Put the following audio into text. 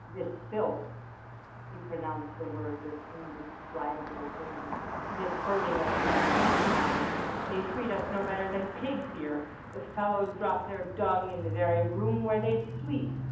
This filth"—he pronounced the word with indescribable bitterness—"this herding of men like cattle—they treat us no better than pigs here. The fellows drop their dung in the very room where they sleep.